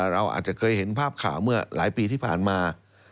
เราอาจจะเคยเห็นภาพข่าวเมื่อหลายปีที่ผ่านมา